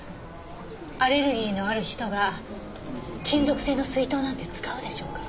アレルギーのある人が金属製の水筒なんて使うでしょうか？